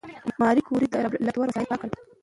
ماري کوري د لابراتوار وسایل پاک کړل.